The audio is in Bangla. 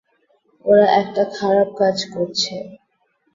ওরা একটা খারাপ কাজ করছে।